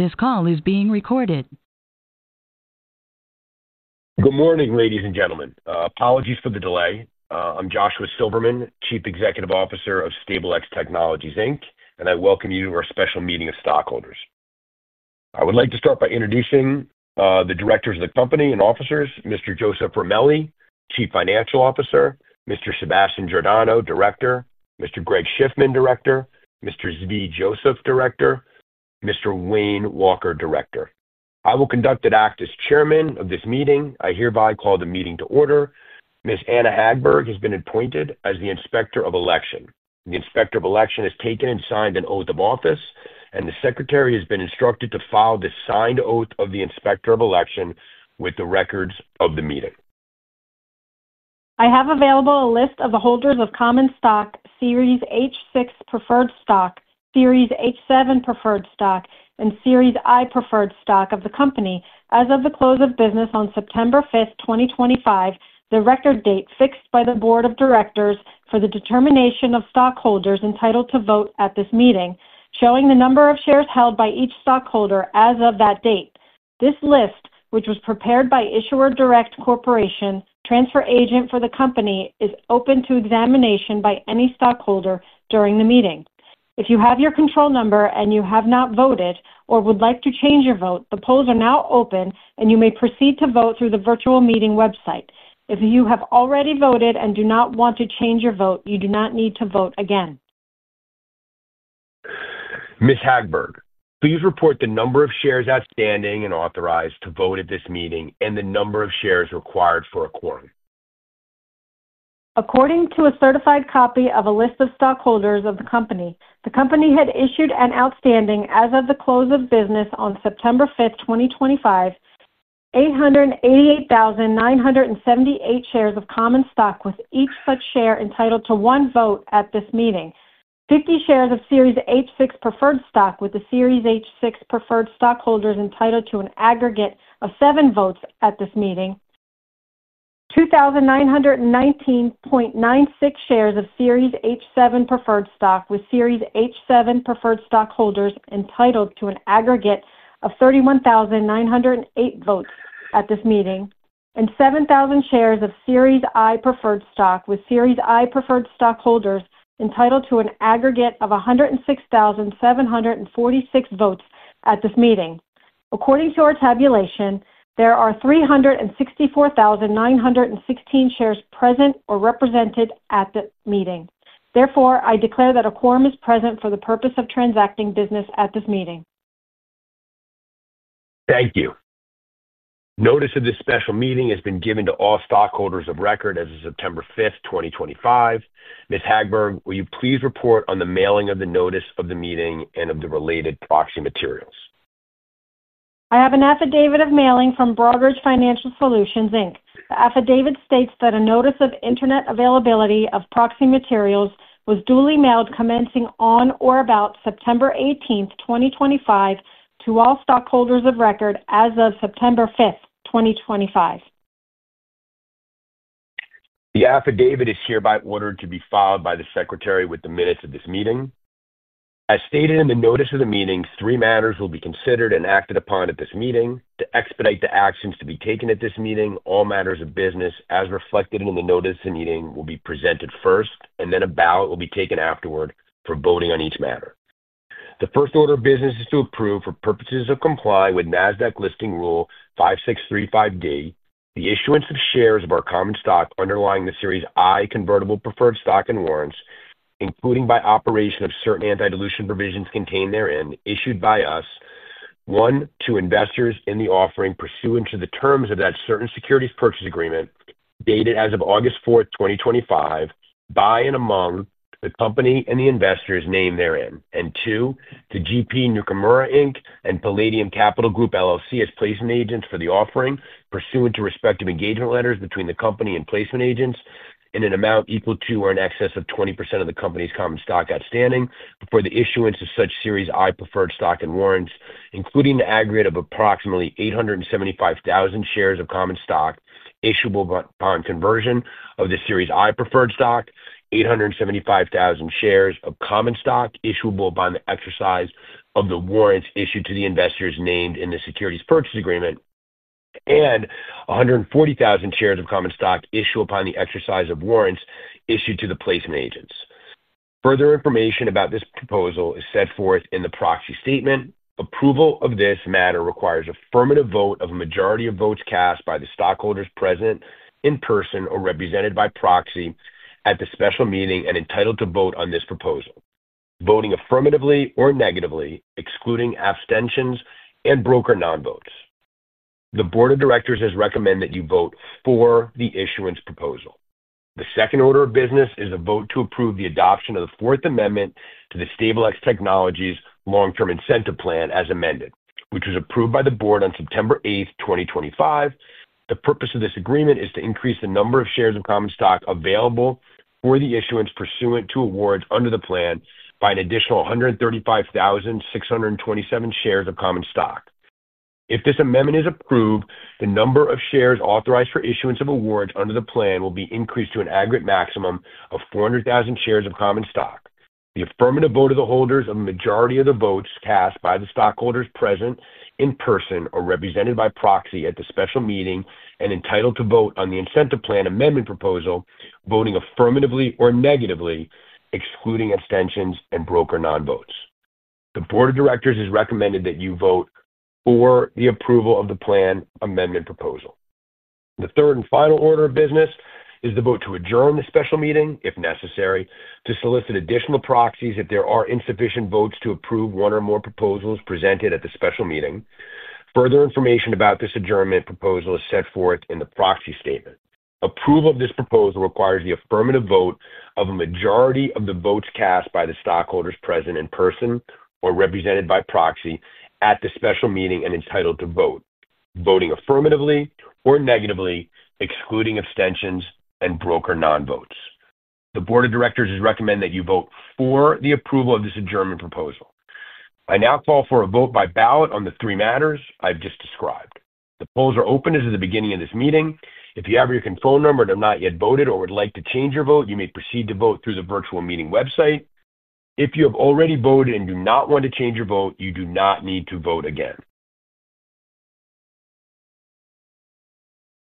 This call is being recorded. Good morning, ladies and gentlemen. Apologies for the delay. I'm Josh Silverman, Chief Executive Officer of StableX Technologies, Inc., and I welcome you to our special meeting of stockholders. I would like to start by introducing the directors of the company and officers: Mr. Joseph Ramelli, Chief Financial Officer; Mr. Sebastian Giordano, Director; Mr. Greg Schiffman, Director; Mr. Zvi Joseph, Director; Mr. Wayne Walker, Director. I will conduct and act as Chairman of this meeting. I hereby call the meeting to order. Ms. Anna Hagberg has been appointed as the Inspector of Election. The Inspector of Election has taken and signed an Oath of Office, and the Secretary has been instructed to file this signed Oath of the Inspector of Election with the records of the meeting. I have available a list of the holders of common stock, Series H6 preferred stock, Series H7 preferred stock, and Series I preferred stock of the company as of the close of business on September 5, 2025, the record date fixed by the Board of Directors for the determination of stockholders entitled to vote at this meeting, showing the number of shares held by each stockholder as of that date. This list, which was prepared by Issuer Direct Corporation, transfer agent for the company, is open to examination by any stockholder during the meeting. If you have your control number and you have not voted or would like to change your vote, the polls are now open and you may proceed to vote through the virtual meeting website. If you have already voted and do not want to change your vote, you do not need to vote again. Ms. Hagberg, please report the number of shares outstanding and authorized to vote at this meeting, and the number of shares required for acquiring. According to a certified copy of a list of stockholders of the company, the company had issued and outstanding, as of the close of business on September 5, 2025, 888,978 shares of common stock with each such share entitled to one vote at this meeting, 50 shares of Series H6 preferred stock with the Series H6 preferred stockholders entitled to an aggregate of seven votes at this meeting. 2,919.96 shares of Series H7 preferred stock with Series H7 preferred stockholders entitled to an aggregate of 31,908 votes at this meeting, and 7,000 shares of Series I preferred stock with Series I preferred stockholders entitled to an aggregate of 106,746 votes at this meeting. According to our tabulation, there are 364,916 shares present or represented at the meeting. Therefore, I declare that a quorum is present for the purpose of transacting business at this meeting. Thank you. Notice of this special meeting has been given to all stockholders of record as of September 5, 2025. Ms. Hagberg, will you please report on the mailing of the notice of the meeting and of the related proxy materials? I have an affidavit of mailing from Broadridge Financial Solutions, Inc. The affidavit states that a notice of internet availability of proxy materials was duly mailed commencing on or about September 18, 2025, to all stockholders of record as of September 5, 2025. The affidavit is hereby ordered to be filed by the Secretary with the minutes of this meeting. As stated in the notice of the meeting, three matters will be considered and acted upon at this meeting to expedite the actions to be taken at this meeting. All matters of business, as reflected in the notice of the meeting, will be presented first, and then a ballot will be taken afterward for voting on each matter. The first order of business is to approve for purposes of complying with NASDAQ listing rule 5635(d) the issuance of shares of our common stock underlying the Series I convertible preferred stock and warrants. Including by operation of certain antidilution provisions contained therein, issued by us. One, to investors in the offering pursuant to the terms of that certain securities purchase agreement dated as of August 4, 2025, by and among the company and the investors named therein. Two, to GP Nukamura, Inc. and Palladium Capital Group LLC as placement agents for the offering pursuant to respective engagement letters between the company and placement agents in an amount equal to or in excess of 20% of the company's common stock outstanding for the issuance of such Series I preferred stock and warrants, including the aggregate of approximately 875,000 shares of common stock issuable upon conversion of the Series I preferred stock, 875,000 shares of common stock issuable upon the exercise of the warrants issued to the investors named in the securities purchase agreement, and 140,000 shares of common stock issued upon the exercise of warrants issued to the placement agents. Further information about this proposal is set forth in the proxy statement. Approval of this matter requires affirmative vote of a majority of votes cast by the stockholders present in person or represented by proxy at the special meeting and entitled to vote on this proposal, voting affirmatively or negatively, excluding abstentions and broker non-votes. The Board of Directors has recommended that you vote for the issuance proposal. The second order of business is a vote to approve the adoption of the Fourth Amendment to the StableX Technologies Long-Term Incentive Plan as amended, which was approved by the Board on September 8, 2025. The purpose of this agreement is to increase the number of shares of common stock available for the issuance pursuant to awards under the plan by an additional 135,627 shares of common stock. If this amendment is approved, the number of shares authorized for issuance of awards under the plan will be increased to an aggregate maximum of 400,000 shares of common stock. The affirmative vote of the holders of the majority of the votes cast by the stockholders present in person or represented by proxy at the special meeting and entitled to vote on the incentive plan amendment proposal, voting affirmatively or negatively, excluding abstentions and broker non-votes. The Board of Directors has recommended that you vote for the approval of the plan amendment proposal. The third and final order of business is the vote to adjourn the special meeting, if necessary, to solicit additional proxies if there are insufficient votes to approve one or more proposals presented at the special meeting. Further information about this adjournment proposal is set forth in the proxy statement. Approval of this proposal requires the affirmative vote of a majority of the votes cast by the stockholders present in person or represented by proxy at the special meeting and entitled to vote, voting affirmatively or negatively, excluding abstentions and broker non-votes. The Board of Directors has recommended that you vote for the approval of this adjournment proposal. I now call for a vote by ballot on the three matters I've just described. The polls are open as of the beginning of this meeting. If you have your control number and have not yet voted or would like to change your vote, you may proceed to vote through the virtual meeting website. If you have already voted and do not want to change your vote, you do not need to vote again.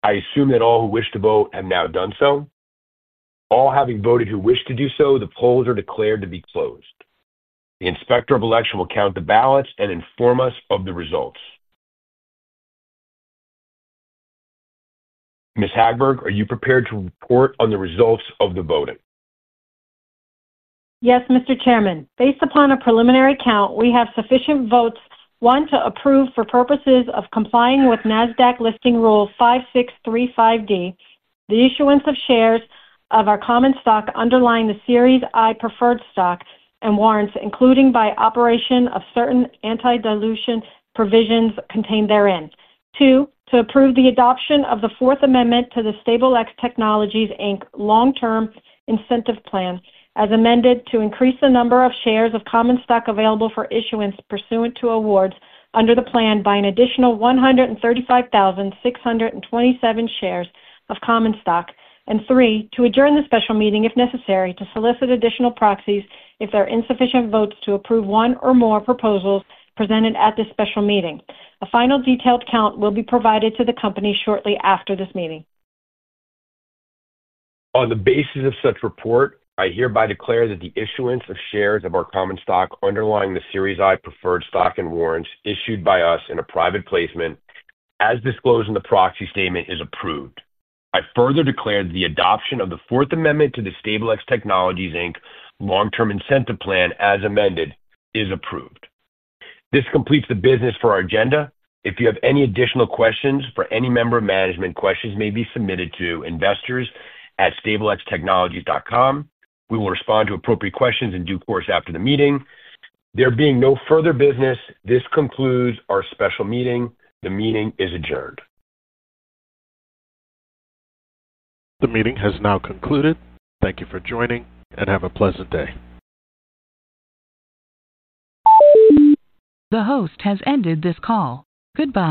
I assume that all who wish to vote have now done so. All having voted who wish to do so, the polls are declared to be closed. The Inspector of Election will count the ballots and inform us of the results. Ms. Hagberg, are you prepared to report on the results of the voting? Yes, Mr. Chairman. Based upon a preliminary count, we have sufficient votes, one, to approve for purposes of complying with NASDAQ listing rule 5635(d) the issuance of shares of our common stock underlying the Series I preferred stock and warrants, including by operation of certain antidilution provisions contained therein, two, to approve the adoption of the Fourth Amendment to the StableX Technologies Inc. Long-Term Incentive Plan as amended to increase the number of shares of common stock available for issuance pursuant to awards under the plan by an additional 135,627 shares of common stock, and three, to adjourn the special meeting if necessary to solicit additional proxies if there are insufficient votes to approve one or more proposals presented at this special meeting. A final detailed count will be provided to the company shortly after this meeting. On the basis of such report, I hereby declare that the issuance of shares of our common stock underlying the Series I preferred stock and warrants issued by us in a private placement, as disclosed in the proxy statement, is approved. I further declare that the adoption of the Fourth Amendment to the StableX Technologies Inc. Long-Term Incentive Plan as amended is approved. This completes the business for our agenda. If you have any additional questions for any member of management, questions may be submitted to investors@stablextechnologies.com. We will respond to appropriate questions in due course after the meeting. There being no further business, this concludes our special meeting. The meeting is adjourned. The meeting has now concluded. Thank you for joining and have a pleasant day. The host has ended this call. Goodbye.